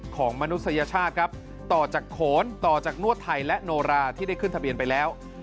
มนุษยชาติครับต่อจากโขนต่อจากนวดไทยและโนราที่ได้ขึ้นทะเบียนไปแล้ว